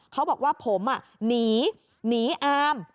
เขาบอกว่าผมหนีหนีอาม